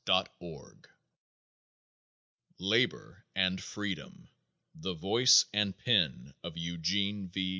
|||++ Labor and Freedom The Voice and Pen of Eugene V.